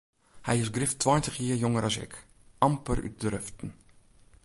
Hy is grif tweintich jier jonger as ik, amper út de ruften.